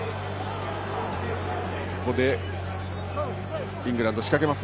ここでイングランドが仕掛けます。